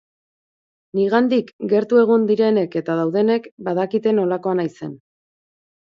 Nigandik gertu egon direnak eta daudenak, badakite nolakoa naizen.